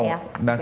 ya pak ya